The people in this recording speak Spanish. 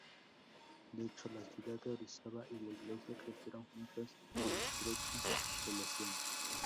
De hecho, la ciudad de Orizaba y la Iglesia crecieron juntas en estrecha relación.